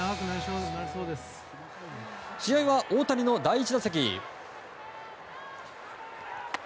試合は、大谷の第１打席。